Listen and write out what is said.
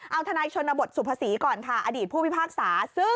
เอาทนายชนบทสุภาษีก่อนค่ะอดีตผู้พิพากษา